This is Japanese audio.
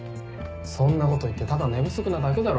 そんなこと言ってただ寝不足なだけだろ。